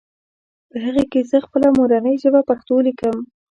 په هغې کې زهٔ خپله مورنۍ ژبه پښتو ليکم